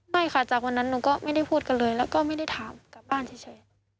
ไม่ค่ะจากวันนั้นหนูก็ไม่ได้พูดกันเลยแล้วก็ไม่ได้ถามกลับบ้านเฉย